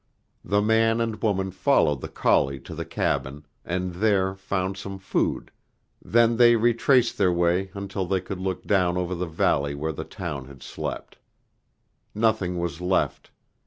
The man and woman followed the collie to the cabin, and there found some food, then they retraced their way until they could look down over the valley where the town had slept. Nothing was left.